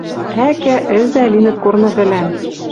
Ӓкӓ, ӹзӓ линӹт корны вӹлӓн...